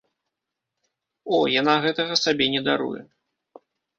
О, яна гэтага сабе не даруе!